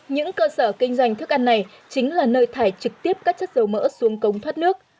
những cơ sở kinh doanh thức ăn này chính là nơi thải trực tiếp các chất dầu mỡ xuống cống thoát nước